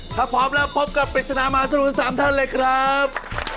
ถ้าพร้อมแล้วพบกับปริศนามหาสนุกทั้ง๓ท่านเลยครับ